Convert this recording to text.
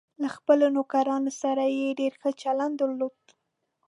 له خپلو نوکرانو سره یې ډېر ښه چلند درلود.